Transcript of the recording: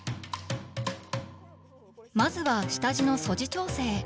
まずは下地の素地調整。